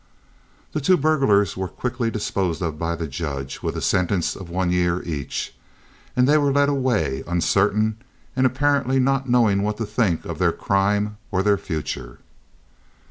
The two burglars were quickly disposed of by the judge, with a sentence of one year each, and they were led away, uncertain, and apparently not knowing what to think of their crime or their future.